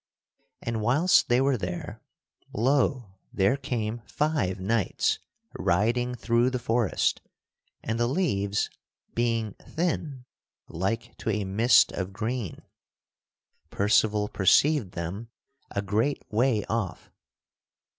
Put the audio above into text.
And whilst they were there, lo! there came five knights riding through the forest, and, the leaves being thin like to a mist of green, Percival perceived them a great way off.